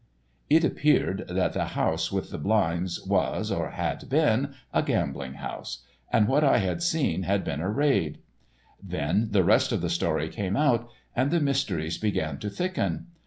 It appeared that the house with the blinds was, or had been, a gambling house, and what I had seen had been a raid. Then the rest of the story came out, and the mysteries began to thicken.